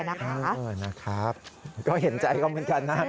นะครับก็เห็นใจเขาเหมือนกันนะ